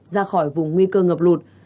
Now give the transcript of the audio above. ra khỏi vùng nguy cơ ngập lụt